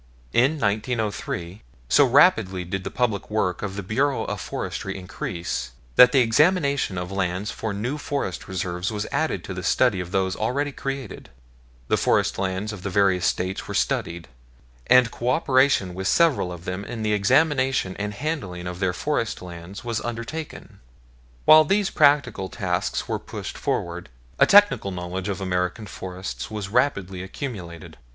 In 1903, so rapidly did the public work of the Bureau of Forestry increase, that the examination of land for new forest reserves was added to the study of those already created, the forest lands of the various States were studied, and cooperation with several of them in the examination and handling of their forest lands was undertaken. While these practical tasks were pushed forward, a technical knowledge of American Forests was rapidly accumulated.